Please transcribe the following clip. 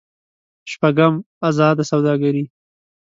شپږم: ازاده سوداګري.